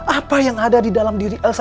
apa yang ada di dalam diri elsa